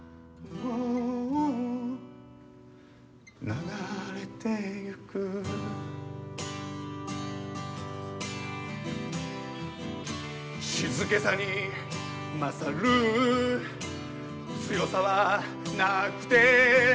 「流れて行く」「静けさにまさる強さは無くて」